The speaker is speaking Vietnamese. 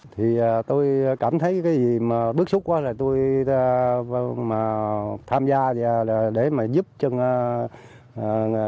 thì tôi cảm thấy cái gì mà bước xuống quá là tôi tham gia để mà giúp cho người